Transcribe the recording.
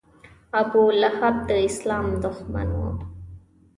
ابولهب د اسلام دښمن و.